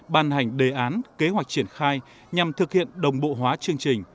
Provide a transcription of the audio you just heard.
ban hành đề án kế hoạch triển khai nhằm thực hiện đồng bộ hóa chương trình